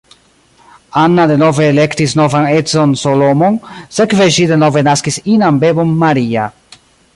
Anna denove elektis novan edzon Solomon, sekve ŝi denove naskis inan bebon Maria.